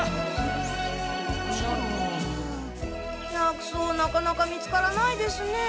薬草なかなか見つからないですね。